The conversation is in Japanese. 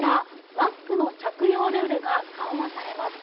マスクの着用ルールが緩和されます。